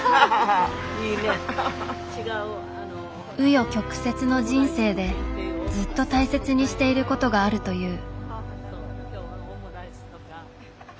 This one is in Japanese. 紆余曲折の人生でずっと大切にしていることがあるという。